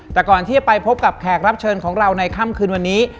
แต่ก่อนที่จะไปพบกับแขกรับเชิญของเราในค่ำคืนวันนี้